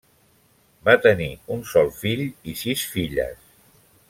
Va tenir un sol fill i sis filles.